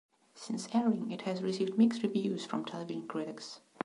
Since airing, it has received mixed reviews from television critics.